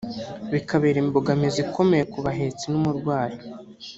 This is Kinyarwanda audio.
bikabera imbogamizi ikomeye ku bahetsi n’umurwayi